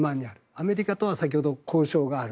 アメリカとは交渉がある。